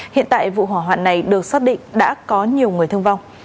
hiện tại vụ hỏa hoạn này được xác định đã có nhiều người thương vong